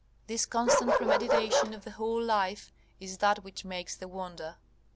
This constant premeditation of the whole life is that which makes the wonder.